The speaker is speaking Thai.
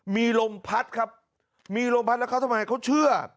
มีลมพัดครับมีลมพัดแล้วเขาทำไมเขาเชื่อ